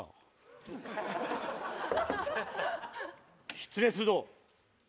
失礼するぞ。